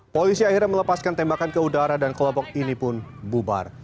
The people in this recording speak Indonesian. polisi akhirnya melepaskan tembakan ke udara dan kelompok ini pun bubar